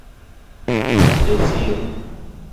deziro